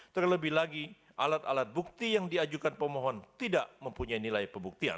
terlebih lagi alat alat bukti yang diajukan pemohon tidak mempunyai nilai pembuktian